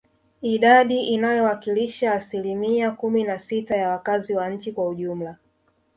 Idadi inayowakilisha asilimia kumi na sita ya wakazi wa nchi kwa ujumla